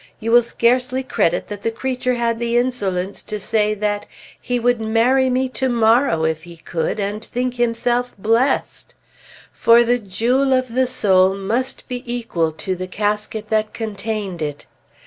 You will scarcely credit that the creature had the insolence to say that he would marry me to morrow, if he could, and think himself blessed; for the jewel of the soul must be equal to the casket that contained it!